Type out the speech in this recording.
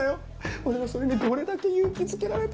俺はそれにどれだけ勇気づけられたか。